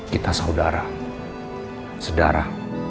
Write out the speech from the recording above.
kita saudara sedara